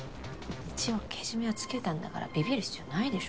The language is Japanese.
一応けじめはつけたんだからビビる必要ないでしょ。